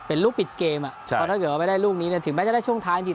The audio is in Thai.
เป็นลูกปิดเกมเพราะถ้าเกิดว่าไม่ได้ลูกนี้เนี่ยถึงแม้จะได้ช่วงท้ายจริง